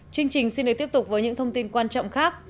chương trình xin được tiếp tục với những thông tin quan trọng khác